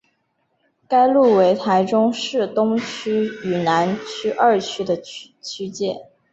该路为台中市东区与南区二区的区界。